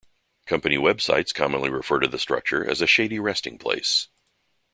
Company websites commonly refer to the structure as a "shady resting place".